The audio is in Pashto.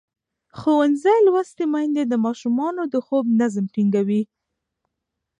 ښوونځې لوستې میندې د ماشومانو د خوب نظم ټینګوي.